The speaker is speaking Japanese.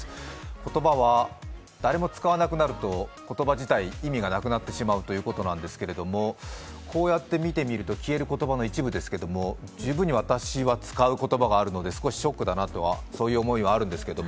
言葉は誰も使わなくなると意味がなくなると言われていますがこうやって見てみると消える言葉の一部ですけれども、十分に私は使う言葉があるので、少しショックだなとそういう思いはあるんですけど。